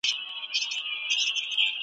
نیکه ویله چي کوی ښه کار .